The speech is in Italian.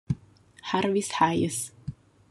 Jarvis Hayes